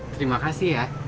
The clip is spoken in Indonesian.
terima kasih ya